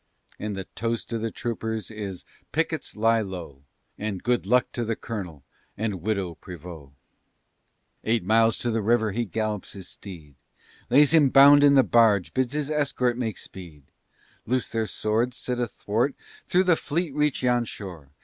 And the toast of the troopers is: "Pickets, lie low, And good luck to the colonel and Widow Prevost!" Eight miles to the river he gallops his steed, Lays him bound in the barge, bids his escort make speed, Loose their swords, sit athwart, through the fleet reach yon shore.